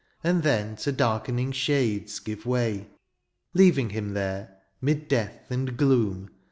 And then to darkening shades give way. Leaving him there, 'mid death and gloom.